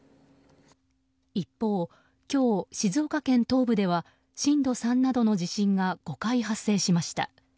一方、今日、静岡県東部では震度３などの地震が５回発生しました。